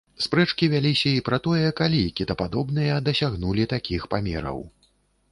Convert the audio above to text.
Спрэчкі вяліся і пра тое, калі кітападобныя дасягнулі такіх памераў.